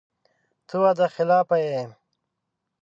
ته وعده خلافه یې !